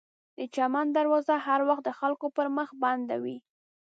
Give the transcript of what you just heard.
د چمن دروازه هر وخت د خلکو پر مخ بنده وي.